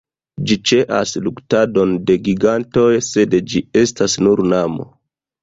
Ĝi ĉeas luktadon de gigantoj, sed ĝi estas nur nano.